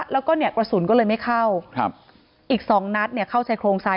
แล้วก็เนี่ยกระสุนก็เลยไม่เข้าอีก๒นัดเนี่ยเข้าชายโครงซ้าย